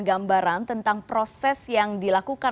gambaran tentang proses yang dilakukan